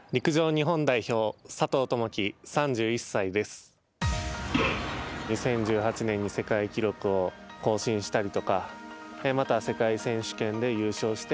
２０１８年に世界記録を更新したりとかまた、世界選手権で優勝して